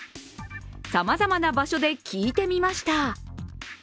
さまざまな場所で聞いてみました。